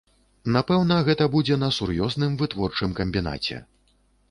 Напэўна, гэта будзе на сур'ёзным вытворчым камбінаце.